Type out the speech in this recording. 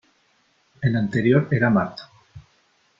El anterior era Marta.